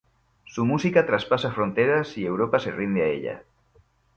Su música traspasa fronteras y Europa se rinde a ella.